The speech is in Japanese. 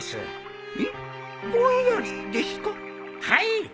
はい。